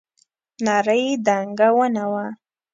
نرۍ دنګه ونه وه.